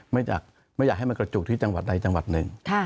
ไม่อยากให้มันกระจุกที่จังหวัดใดจังหวัดหนึ่ง